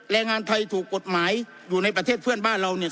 แรงงานไทยถูกกฎหมายอยู่ในประเทศเพื่อนบ้านเราเนี่ย